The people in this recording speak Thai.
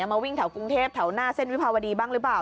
เข้าในที่ไหนมาวิ่งแถวกุ้งเทศแถวหน้าเส้นวิภาวดีบ้างหรือเปล่า